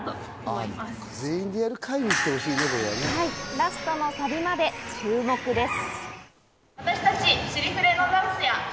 ラストのサビまで注目です。